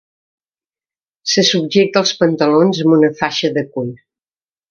Se subjecta els pantalons amb una faixa de cuir.